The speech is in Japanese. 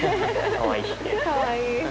かわいい。